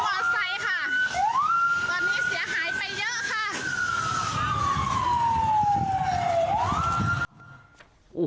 ค่ะตอนนี้เสียหายไปเยอะค่ะ